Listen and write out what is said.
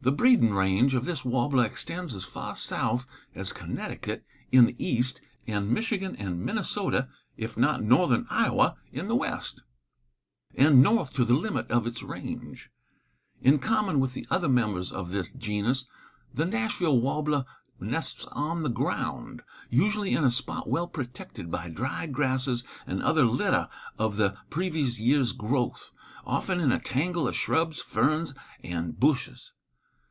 The breeding range of this warbler extends as far south as Connecticut in the East, and Michigan and Minnesota, if not northern Iowa in the West, and north to the limit of its range. In common with the other members of this genus, the Nashville warbler nests on the ground, usually in a spot well protected by dried grasses and other litter of the previous year's growth, often in a tangle of shrubs, ferns and bushes.